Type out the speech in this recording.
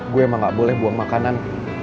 gue emang gak boleh buang makanan